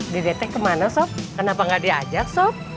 di detek kemana sob kenapa gak diajak sob